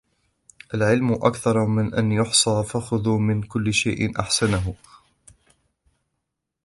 الْعِلْمُ أَكْثَرُ مِنْ أَنْ يُحْصَى فَخُذُوا مِنْ كُلِّ شَيْءٍ أَحْسَنَهُ